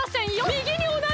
みぎにおなじ！